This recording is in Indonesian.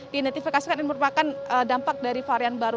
diidentifikasikan ini merupakan dampak dari varian baru